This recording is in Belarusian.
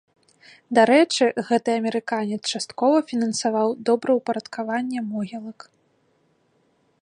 Дарэчы, гэты амерыканец часткова фінансаваў добраўпарадкаванне могілак.